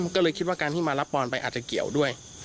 ก็เลยคิดว่าการที่มารับปอนไปอาจจะเกี่ยวด้วย